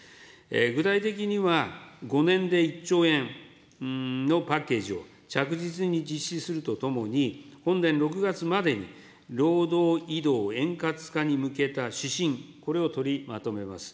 具体的には、５年で１兆円のパッケージを着実に実施するとともに、本年６月までに、労働移動円滑化に向けた指針、これを取りまとめます。